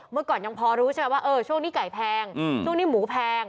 เมื่อก่อนยังพอรู้ใช่ไหมว่าช่วงนี้ไก่แพงช่วงนี้หมูแพง